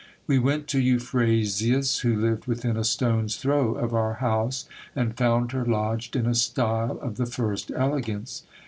We went to Euphrasia's, who lived within a stone's throw of our house, and found her ledged in a style of the first elegance.